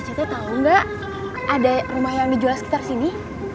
cet tau ga ada rumah yang dijual sekitar sini